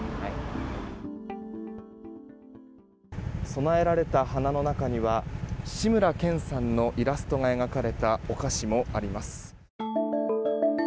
供えられた花の中には志村けんさんのイラストが描かれたお菓子もあります。